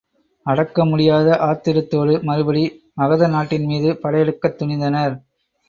அடக்க முடியாத ஆத்திரத்தோடு மறுபடி மகத நாட்டின் மீது படை எடுக்கத் துணிந்தனர்.